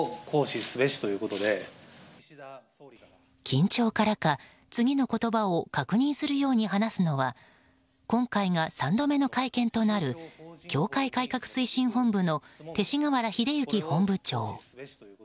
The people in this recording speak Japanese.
緊張からか、次の言葉を確認するように話すのは今回が３度目の会見となる教会改革推進本部の勅使河原秀行本部長。